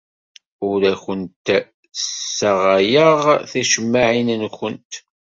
Ur awent-ssaɣayeɣ ticemmaɛin-nwent.